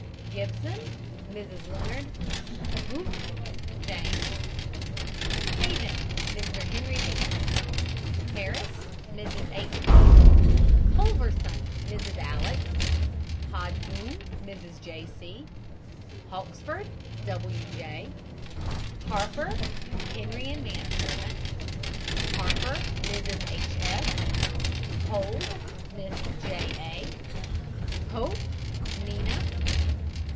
GIBSON, MRS. LEONARD. GOOGHT, JAMES. HAVEN, MR. HENRY B. HARRIS, MRS. H. B. HOLVERSON, MRS. ALEX. HOGEBOOM, MRS. J. C. HAWKSFORD, W. J. HARPER, HENRY, and man servant. HARPER, MRS. H. S. HOLD, MISS J. A. HOPE, NINA.